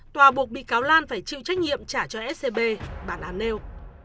tòa buộc bị cáo lan phải chịu trách nhiệm trả cho scb bản án nêu